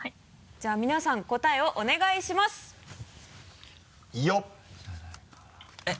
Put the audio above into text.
じゃあ皆さん答えをお願いしますよっ！